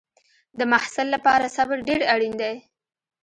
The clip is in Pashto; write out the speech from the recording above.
د محصل لپاره صبر ډېر اړین دی.